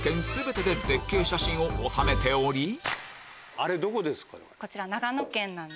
あれどこですか？